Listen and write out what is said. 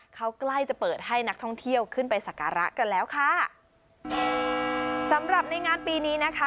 เขาใกล้จะเปิดให้นักท่องเที่ยวขึ้นไปสักการะกันแล้วค่ะสำหรับในงานปีนี้นะคะ